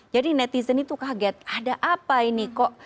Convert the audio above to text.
jadi netizen itu kaget ada apa ini kok tiba tiba lampu mati loh kok di krl kok